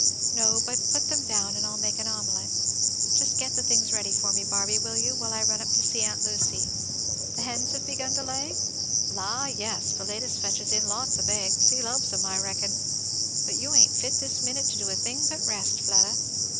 "No, but put them down and I'll make an omelette. Just get the things ready for me, Barby, will you, while I run up to see aunt Lucy. The hens have begun to lay?" "La yes Philetus fetches in lots of eggs he loves 'em, I reckon but you ain't fit this minute to do a thing but rest, Fleda."